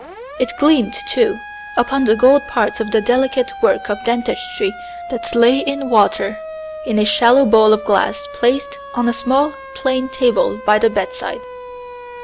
It gleamed, too, upon the gold parts of the delicate work of dentistry that lay in water in a shallow bowl of glass placed on a small, plain table by the bedside.